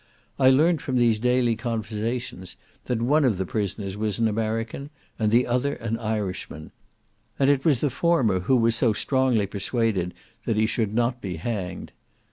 I learnt from these daily conversations that one of the prisoners was an American, and the other an Irishman, and it was the former who was so strongly persuaded he should not be hanged.